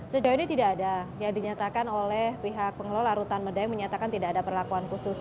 sejauh ini tidak ada yang dinyatakan oleh pihak pengelola rutan medai menyatakan tidak ada perlakuan khusus